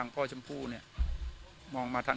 วันนี้ก็จะเป็นสวัสดีครับ